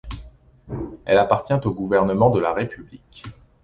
Elle appartient au gouvernement de la république.